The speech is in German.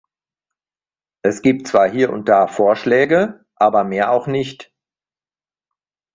Es gibt zwar hier und da Vorschläge, aber mehr auch nicht.